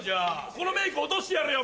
このメイク落としてやるよ